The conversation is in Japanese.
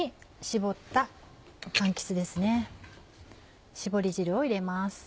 絞り汁を入れます。